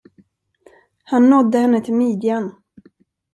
Han nådde henne till midjan.